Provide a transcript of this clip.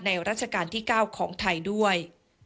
รัชกาลที่๙ของไทยด้วย